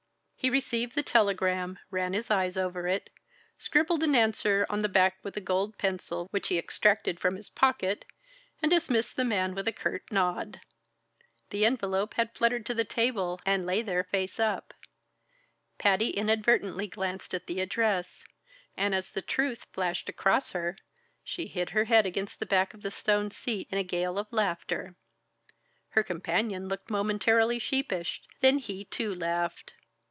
He received the telegram, ran his eyes over it, scribbled an answer on the back with a gold pencil which he extracted from his pocket, and dismissed the man with a curt nod. The envelope had fluttered to the table and lay there face up. Patty inadvertently glanced at the address, and as the truth flashed across her, she hid her head against the back of the stone seat in a gale of laughter. Her companion looked momentarily sheepish, then he too laughed.